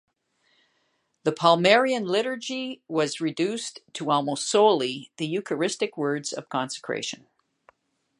The Palmarian liturgy was reduced to almost solely the Eucharistic words of consecration.